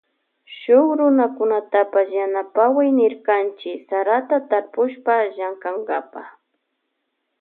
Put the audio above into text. Shuk runakunatapash yanapaway nirkanchi sarata tarpushpa llankankapa.